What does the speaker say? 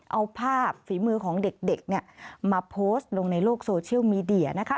เอาภาพฝีมือของเด็กเนี่ยมาโพสต์ลงในโลกโซเชียลมีเดียนะคะ